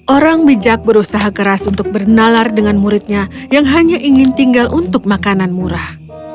orang bijak berusaha keras untuk bernalar dengan muridnya yang hanya ingin tinggal untuk makanan murah